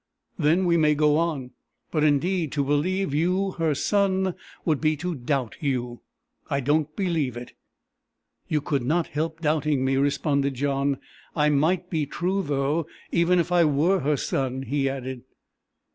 Then we may go on! But, indeed, to believe you her son, would be to doubt you! I don't believe it." "You could not help doubting me!" responded John. " I might be true, though, even if I were her son!" he added.